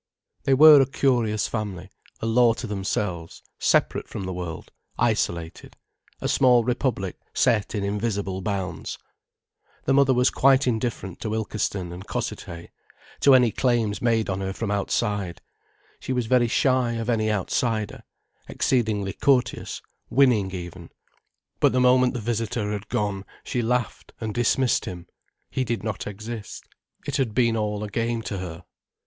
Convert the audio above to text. They were a curious family, a law to themselves, separate from the world, isolated, a small republic set in invisible bounds. The mother was quite indifferent to Ilkeston and Cossethay, to any claims made on her from outside, she was very shy of any outsider, exceedingly courteous, winning even. But the moment the visitor had gone, she laughed and dismissed him, he did not exist. It had been all a game to her.